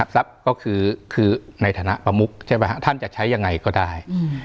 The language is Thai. ทรัพย์ก็คือในฐานะประมุกใช่ไหมครับท่านจะใช้ยังไงก็ได้